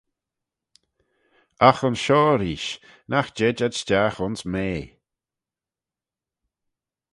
Agh ayns shoh reesht, Nagh jed ad stiagh ayns m'ea.